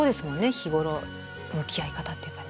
日頃向き合い方っていうかね。